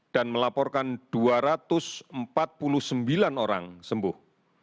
dan melaporkan dua ratus empat puluh sembilan orang sembuh